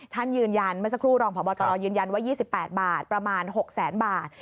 ท่านยืนยันเมื่อสักครู่รองพบตรยืนยันว่า๒๘บาทประมาณ๖แสนบาท